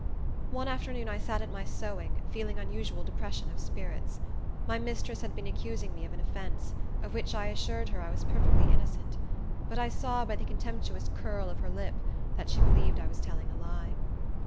One afternoon I sat at my sewing, feeling unusual depression of spirits. My mistress had been accusing me of an offence, of which I assured her I was perfectly innocent; but I saw, by the contemptuous curl of her lip, that she believed I was telling a lie.